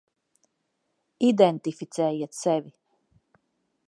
Identificējiet sevi.